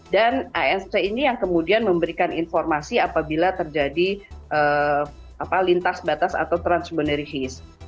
dan asmc ini yang kemudian memberikan informasi apabila terjadi lintas batas atau transboneris